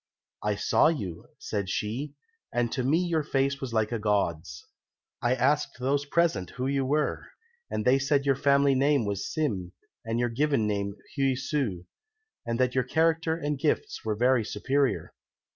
'I saw you,' said she, 'and to me your face was like a god's. I asked those present who you were, and they said your family name was Sim and your given name Heui su, and that your character and gifts were very superior.